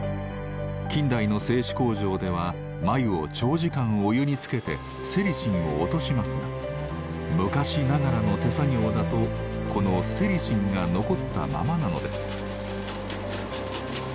近代の製糸工場では繭を長時間お湯につけてセリシンを落としますが昔ながらの手作業だとこのセリシンが残ったままなのです。